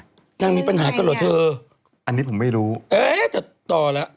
ยังมีปัญหากันเหรอเธอ